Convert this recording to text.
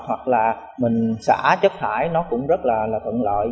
hoặc là mình xả chất thải nó cũng rất là thuận lợi